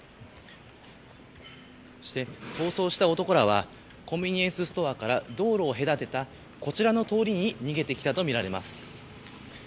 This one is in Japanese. そして、逃走者した男らはコンビニエンスストアから道路を隔てた、こちらの通りに逃げてきたといいます。